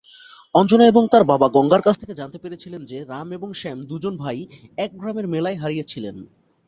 অঞ্জনা এবং তার বাবা গঙ্গার কাছ থেকে জানতে পেরেছিলেন যে রাম এবং শ্যাম দু'জন ভাই এক গ্রামের মেলায় হারিয়েছিলেন।